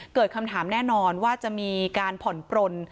เกิดคำถามแน่นอนว่าจะมีการผ่อนปลน